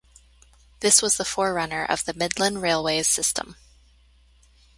This was the forerunner of the Midland Railway's system.